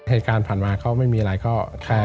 เหตุการณ์ผ่านมาเขาไม่มีอะไรก็แค่